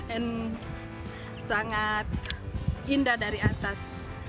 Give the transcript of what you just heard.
and sangat indah dari atas